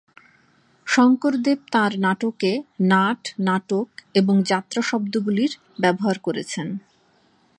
শংকরদেব তাঁর নাটকে নাট, নাটক এবং যাত্রা শব্দগুলির ব্যবহার করেছেন।